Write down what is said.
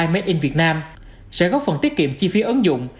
made in việt nam sẽ góp phần tiết kiệm chi phí ứng dụng